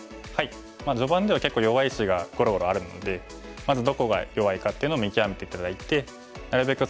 序盤では結構弱い石がゴロゴロあるのでまずどこが弱いかっていうのを見極めて頂いてなるべく